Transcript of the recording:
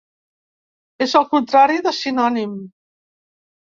És el contrari de sinònim.